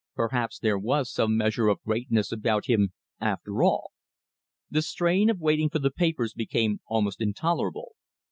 Perhaps there was some measure of greatness about him after all. The strain of waiting for the papers became almost intolerable.